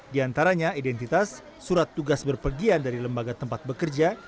di antaranya identitas surat tugas berpergian dari lembaga tempat bekerja